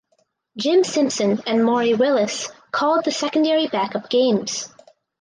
Jim Simpson and Maury Wills called the secondary backup games.